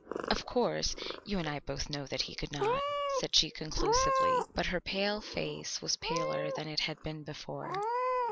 "Of course you and I both know he could not," said she conclusively, but her pale face was paler than it had been before.